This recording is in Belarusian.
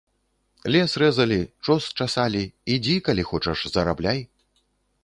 Лес рэзалі, чос часалі, ідзі, калі хочаш, зарабляй.